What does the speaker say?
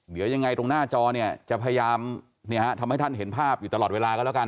เดี๋ยวยังไงตรงหน้าจอเนี่ยจะพยายามทำให้ท่านเห็นภาพอยู่ตลอดเวลาก็แล้วกัน